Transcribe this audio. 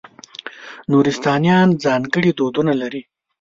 نورستانیان ځانګړي دودونه لري.